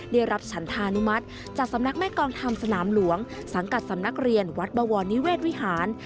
ได้รับฉันธานุมัติจากสำนักแม่กองธรรมสนามหลวงสังกัดสำนักเรียนวัดบวรนิเวศวิหาร